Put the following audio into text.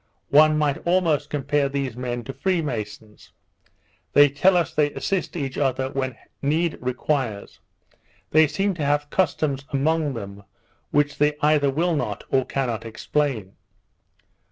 One may almost compare these men to free masons; they tell us they assist each other when need requires; they seem to have customs among them which they either will not, or cannot explain.